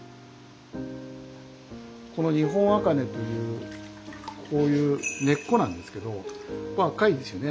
この日本茜というこういう根っこなんですけどまあ赤いんですよね。